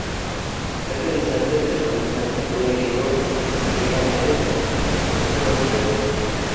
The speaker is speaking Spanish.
Casi al instante, el documento fue leído íntegramente ante la plebe.